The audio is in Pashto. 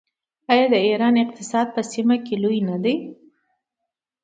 آیا د ایران اقتصاد په سیمه کې لوی نه دی؟